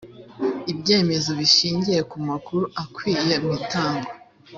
ibyemezo bishingiye ku makuru akwiye mu itangwa